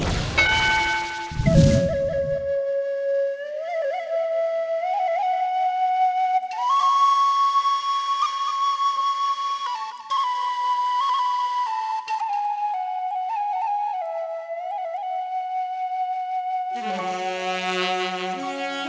อ้าวอ้าวอ้าวอ้าว